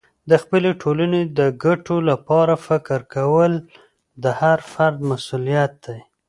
د خپلې ټولنې د ګټو لپاره فکر کول د هر فرد مسئولیت دی.